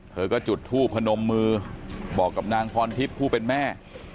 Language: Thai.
เธอก็จุดทูบพนมมือบอกกับนางพรทิพย์ผู้เป็นแม่